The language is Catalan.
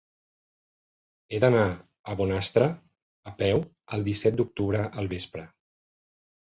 He d'anar a Bonastre a peu el disset d'octubre al vespre.